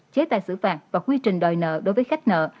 chế tài xử phạt và quy trình đòi nợ đối với khách nợ